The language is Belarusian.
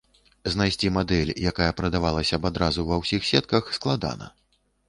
Знайсці мадэль, якая прадавалася б адразу ва ўсіх сетках, складана.